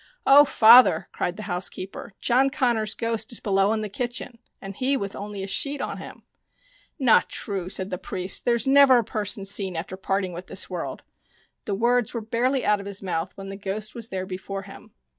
" Oh, father," cried the housekeeper, " John Connors' ghost is below in the kitchen, and he with only a sheet on him !"" Not true," said the priest. " There is never a person seen after parting with this world." The words were barely out of his mouth when the ghost was there before him.